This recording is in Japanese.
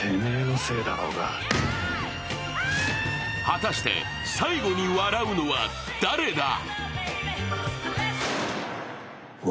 果たして、最後に笑うのは誰だ？